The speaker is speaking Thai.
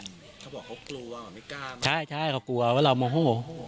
เขาบอกเขากลัวไม่กล้ามาใช่ใช่เขากลัวว่าเราโมโห